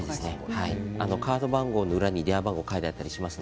カード番号の裏に電話番号が書いてあったりします。